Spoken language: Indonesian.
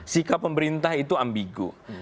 sikap pemerintah itu ambigu